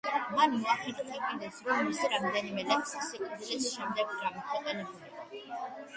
მან მოახერხა კიდეც, რომ მისი რამდენიმე ლექსი სიკვდილის შემდეგ გამოქვეყნებულიყო.